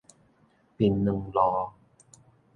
檳榔路